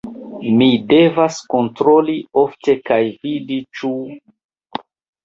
Mi devas kontroli ofte kaj vidi ĉu...